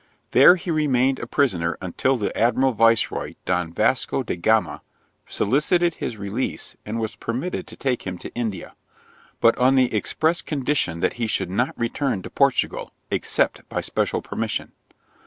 There he remained a prisoner until the admiral viceroy Don Vasco da Gama, solicited his release, and was permitted to take him to India; but on the express condition that he should not return to Portugal, except by special permission.